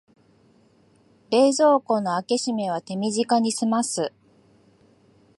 冷蔵庫の開け閉めは手短にすます